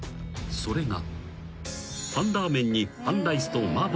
それが］